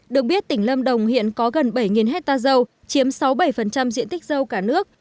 được biết tỉnh lâm đồng hiện có gần bảy hectare dâu chiếm sáu bảy diện tích dâu cả nước